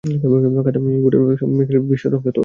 কামাঠিপুরার মদ বিক্রির ব্যবসায় বিশ শতাংশ তোর।